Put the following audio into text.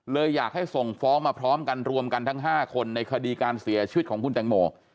อยากให้ส่งฟ้องมาพร้อมกันรวมกันทั้ง๕คนในคดีการเสียชีวิตของคุณแตงโม